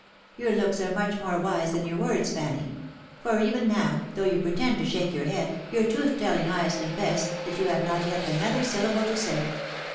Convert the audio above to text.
Your looks are much more wise than your words, Fanny ; for even now, though you pretend to shake your head, your truth telling eyes confess that you have not another syllable to say."